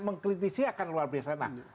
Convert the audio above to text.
mengkritisi akan luar biasa